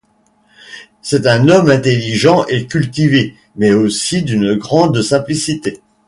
C'est un homme intelligent et cultivé, mais aussi d'une grande simplicité.